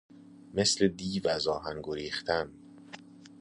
مثل دیو از آهن گریختن